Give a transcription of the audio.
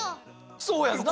そうやんな。